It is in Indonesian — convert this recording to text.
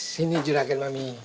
sini juragan mami